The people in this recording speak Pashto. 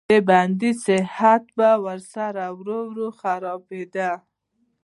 د بندي صحت به ورسره ورو ورو خرابېده.